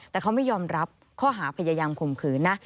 แต่เขาไม่ยอมรับข้อหาพยายามข่มขืนนะ